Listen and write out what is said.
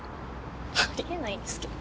ありえないんですけど。